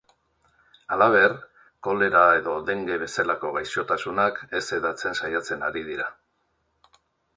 Halaber, kolera edo denge bezalako gaixotasunak ez hedatzen saiatzen ari dira.